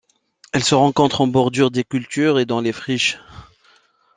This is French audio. Elle se rencontre en bordure des cultures et dans les friches.